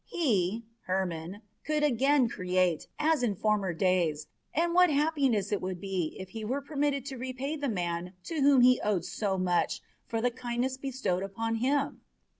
He, Hermon, could again create, as in former days, and what happiness it would be if he were permitted to repay the man to whom he owed so much for the kindness bestowed upon him!